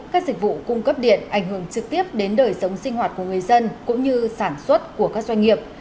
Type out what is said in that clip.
các dịch vụ cung cấp điện ảnh hưởng trực tiếp đến đời sống sinh hoạt của người dân cũng như sản xuất của các doanh nghiệp